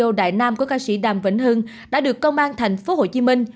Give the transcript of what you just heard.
nữ ceo đại nam của ca sĩ đàm vĩnh hưng đã được công an thành phố hồ chí minh